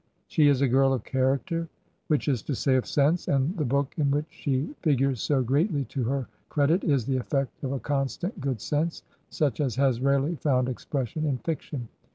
She is a girl of character, which is to say of sense, and the book in which she fig ures so greatly to her credit is the effect of a constant good sense such as has rarely found expression in fic tion.